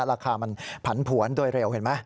ราคามันผันผวนโดยเร็วเห็นไหม